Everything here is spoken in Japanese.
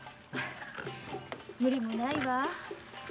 無理もないわ。